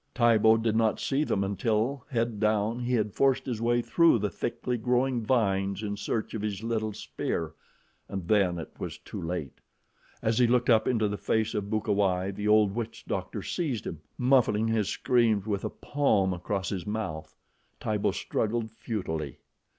Tibo did not see them until, head down, he had forced his way through the thickly growing vines in search of his little spear, and then it was too late. As he looked up into the face of Bukawai, the old witch doctor seized him, muffling his screams with a palm across his mouth. Tibo struggled futilely.